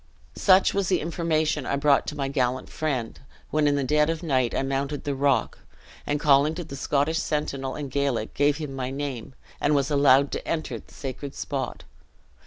"Such was the information I brought to my gallant friend, when in the dead of night I mounted the rock, and calling to the Scottish sentinel in Gaelic, gave him my name, and was allowed to enter the sacred spot.